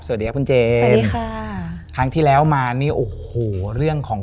สวัสดีครับคุณเจน